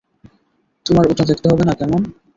তোমার ওটা দেখতে হবে না, কেমন?